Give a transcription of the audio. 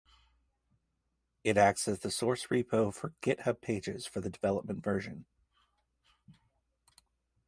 It acts as the source repo for GitHub pages for the development version